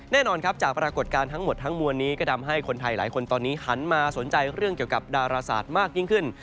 แน่นอนครับจากปรากฏการณ์ทั้งหมดทั้งมวลนี้ก็ทำให้คนไทยหลายคนตอนนี้หันมาสนใจเรื่องเกี่ยวกับดาราศาสตร์มากยิ่งขึ้น